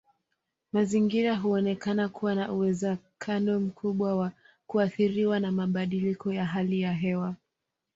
Mazingira huonekana kuwa na uwezekano mkubwa wa kuathiriwa na mabadiliko ya hali ya hewa.